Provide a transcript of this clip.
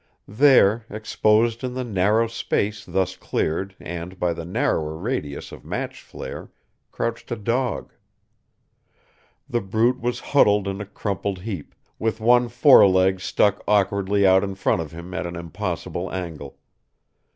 There, exposed in the narrow space thus cleared and by the narrower radius of match flare, crouched a dog. The brute was huddled in a crumpled heap, with one foreleg stuck awkwardly out in front of him at an impossible angle.